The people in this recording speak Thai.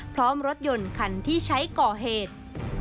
พร้อมรถยนต์คันที่ใช้ก่อเหตุ